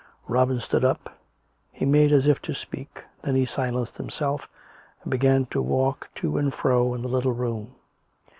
Robin stood up; he made as if to speak; then he silenced himself and began to walk. to and fro in the little room.